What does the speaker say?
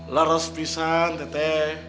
larus pisang tete